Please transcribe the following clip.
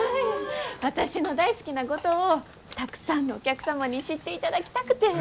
私の大好きな五島をたくさんのお客様に知っていただきたくて。